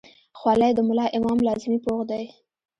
خولۍ د ملا امام لازمي پوښ دی.